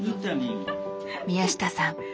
宮下さん